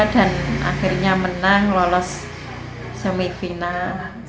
dan akhirnya menang lolos semifinal